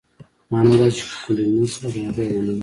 معنا دا چې کولینز او د هغې عمله